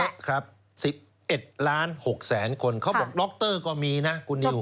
เยอะครับ๑๑ล้าน๖แสนคนเขาบอกดรก็มีนะคุณนิว